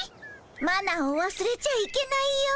マナーをわすれちゃいけないよ。